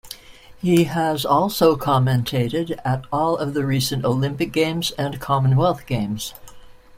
He has also commentated at all of the recent Olympic Games, and Commonwealth Games.